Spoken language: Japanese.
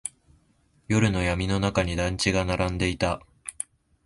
夜の闇の中に団地が並んでいた。